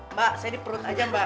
mbak saya di perut aja mbak